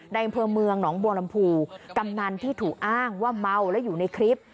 ในบริเวณเมืองน้องบวลำภูกำนันที่ถูอ้างว่าเมาแล้วอยู่ในคลิป